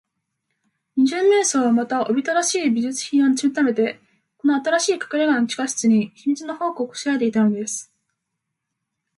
二十面相は、また、おびただしい美術品をぬすみためて、この新しいかくれがの地下室に、秘密の宝庫をこしらえていたのです。